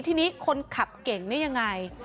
ทีนี้คนขับเก่งได้ยังไง